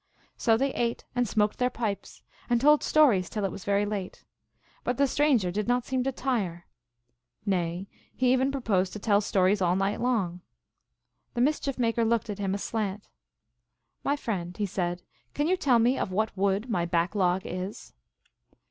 So they ate and smoked their pipes, and told stories till it was very late. But the stranger did not seem to tire ; nay, he even proposed to tell stories all night long. The Mischief Maker looked at him aslant. " My friend," he said, " can you tell me of what wood my back log is